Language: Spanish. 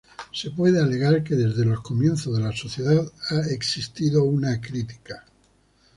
Se puede alegar que desde los comienzos de la sociedad ha existido una crítica.